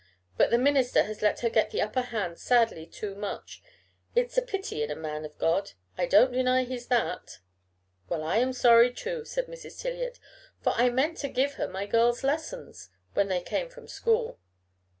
But the minister has let her get the upper hand sadly too much. It's a pity in a man of God. I don't deny he's that." "Well, I am sorry," said Mrs. Tiliot, "for I meant her to give my girls lessons when they came from school."